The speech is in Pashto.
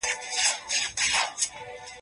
زه اوس کتابونه وړم؟